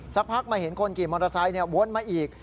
สักพักมาเห็นคนขี่มอเตอร์ไซค์วนมาอีก